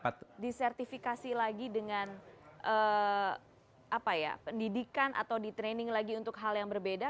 apakah guru guru akan disertifikasi lagi dengan pendidikan atau di training lagi untuk hal yang berbeda